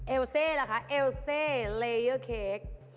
เอลเซ่เหรอคะเอลเซ่เลเยอร์เค้ก